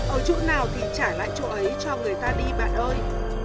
ở chỗ nào thì trả lại chỗ ấy cho người ta đi bạn ơi